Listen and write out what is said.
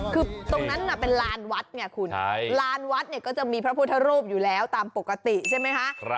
คือตรงนั้นน่ะเป็นลานวัดไงคุณลานวัดเนี่ยก็จะมีพระพุทธรูปอยู่แล้วตามปกติใช่ไหมคะ